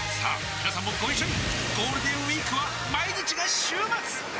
みなさんもご一緒にゴールデンウィークは毎日が週末！